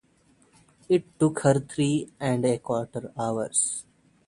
It took her three and a quarter hours.